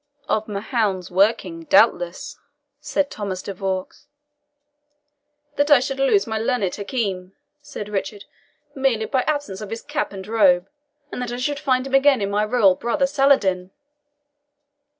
"Of Mahound's working, doubtless," said Thomas de Vaux. "That I should lose my learned Hakim," said Richard, "merely by absence of his cap and robe, and that I should find him again in my royal brother Saladin!"